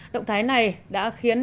động thái này đã khiến